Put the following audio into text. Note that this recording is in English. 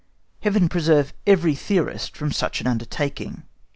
Heaven preserve every theorist from such an undertaking!